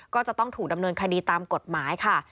ก็จะต้องถูกดำเนินคดีตามกฎหมายค่ะ